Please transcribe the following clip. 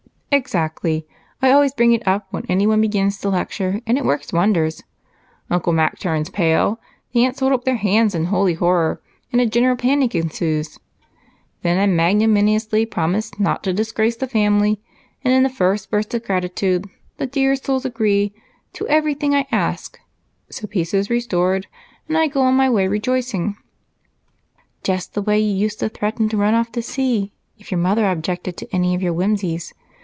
"Exactly. I always bring it up when anyone begins to lecture and it works wonders. Uncle Mac turns pale, the aunts hold up their hands in holy horror, and a general panic ensues. Then I magnanimously promise not to disgrace the family and in the first burst of gratitude the dear souls agree to everything I ask, so peace is restored and I go on my way rejoicing." "Just the way you used to threaten to run off to sea if your mother objected to any of your whims.